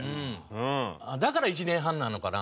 だから１年半なのかな？